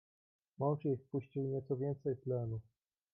"Mąż jej wpuścił nieco więcej tlenu."